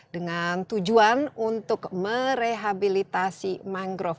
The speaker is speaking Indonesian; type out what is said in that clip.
dengan tujuan untuk merehabilitasi mangrove